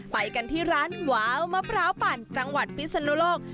ไปกันที่ร้านว้าวมะพร้าวปั่นจังหวัดพิศนุโลก